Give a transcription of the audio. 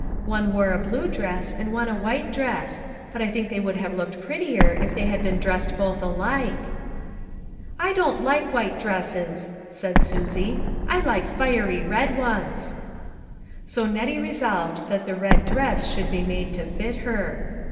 One wore a blue dress, and one a white dress ; but I think they would have looked prettier if they had been dressed both alike." "I don't like white dresses," said Susie ;" I like fiery red ones." 42 LITTLE FISHERS: AND THEIR NETS. So Nettie resolved that the red dress should be made to fit her.